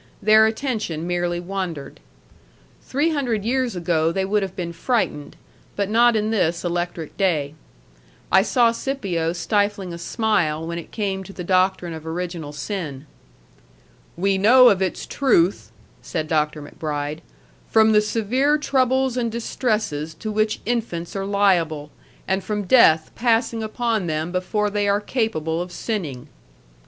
Their attention merely wandered. Three hundred years ago they would have been frightened; but not in this electric day. I saw Scipio stifling a smile when it came to the doctrine of original sin. "We know of its truth," said Dr. MacBride, "from the severe troubles and distresses to which infants are liable, and from death passing upon them before they are capable of sinning."